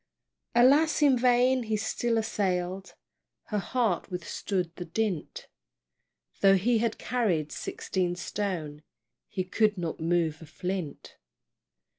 Alas, in vain he still assail'd, He heart withstood the dint; Though he had carried sixteen stone He could not move a flint.